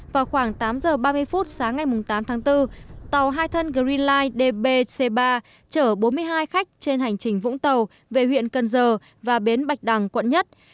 vào khoảng tám h ba mươi phút sáng ngày tám tháng bốn tàu hai thân greenline db c ba chở bốn mươi hai khách trên hành trình vũng tàu về huyện cần giờ và bến bạch đằng quận một